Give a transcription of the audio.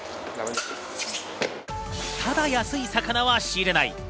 ただ安い魚は仕入れない。